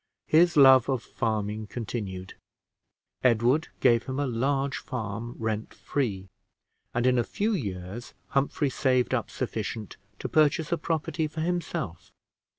His love of farming continued. Edward gave him a large farm, rent free; and in a few years Humphrey saved up sufficient to purchase a property for himself.